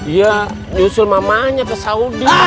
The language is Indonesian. ya nyusul mamanya ke saudi